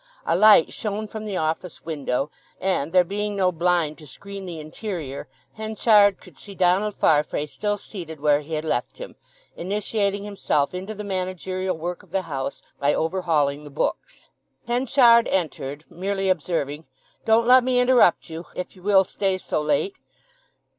A light shone from the office window, and there being no blind to screen the interior Henchard could see Donald Farfrae still seated where he had left him, initiating himself into the managerial work of the house by overhauling the books. Henchard entered, merely observing, "Don't let me interrupt you, if ye will stay so late."